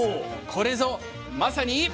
これぞまさに。